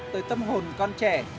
tới tâm hồn con trẻ